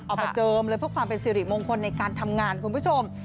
เอามาเจิมเลยเพื่อความเป็นสิริมงคลในการทำงานคุณผู้ชม